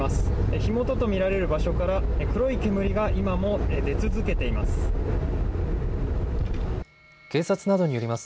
火元と見られる場所から黒い煙が今も出続けています。